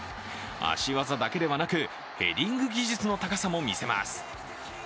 足技だけではなくヘディング技術の高さも見せます。